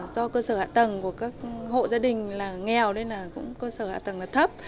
do cơ sở hạ tầng của các hộ gia đình là nghèo nên là cũng cơ sở hạ tầng là thấp